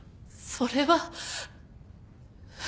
それは。